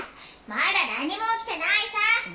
まだ何も起きてないさ。